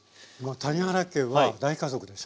谷原家は大家族でしょ。